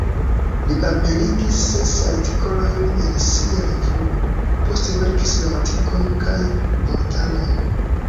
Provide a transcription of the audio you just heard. Li aperigis ses artikolojn en sia revuo; poste verkis gramatikon kaj vortaron.